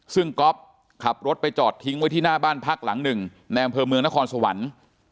ซึ่งก๊อฟขับรถไปจอดทิ้งไว้ที่หน้าบ้านพักหลังหนึ่งในอำเภอเมืองนครสวรรค์